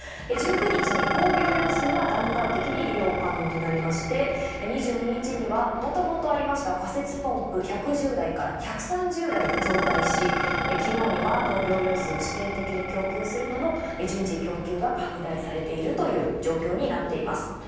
１９日に工業用水は段階的に利用可能になりまして、２０日にはもともとありました仮設ポンプ１１０台から１３０台に増大し、昨日には農業用水を試験的に供給するなど、順次供給が拡大されているという状況になっています。